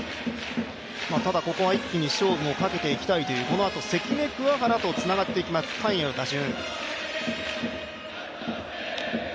ここは一気に勝負をかけていきたいとこのあと関根、桑原とつながっていきます、下位への打順。